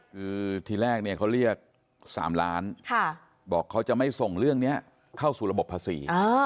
คือทีแรกเนี่ยเขาเรียก๓ล้านบอกเขาจะไม่ส่งเรื่องนี้เข้าสู่ระบบภาษี